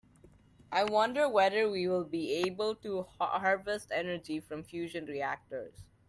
I wonder whether we will be able to harvest energy from fusion reactors.